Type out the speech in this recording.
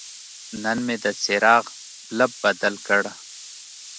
نن مې د څراغ بلب بدل کړ.